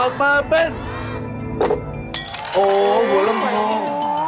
โอ้โฮบัวลำโทง